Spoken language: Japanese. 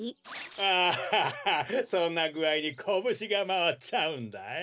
アハハハそんなぐあいにコブシがまわっちゃうんだよ。